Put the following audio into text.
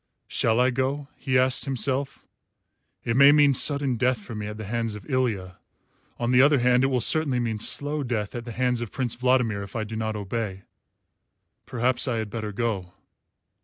"Shall I go?" he asked himself. "It may mean sudden death for me at the hands of Ilya. On the other hand, it will certainly mean slow death at the hands of Prince Vladimir if I do not obey. Perhaps I had better go."